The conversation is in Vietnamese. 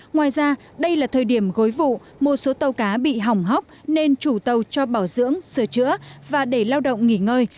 ngoài ra đây là thời điểm gối vụ một số tàu cá bị hỏng hóc nên chủ tàu cho bảo dưỡng sửa chữa và để lao động nghỉ ngơi